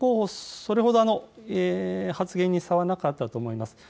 それほど発言に差はなかったと思います。